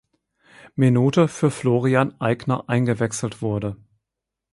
Minute für Florian Aigner eingewechselt wurde.